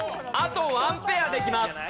あと１ペアできます。